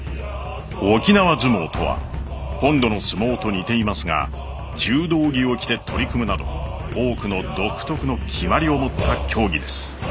沖縄角力とは本土の角力と似ていますが柔道着を着て取り組むなど多くの独特の決まりを持った競技です。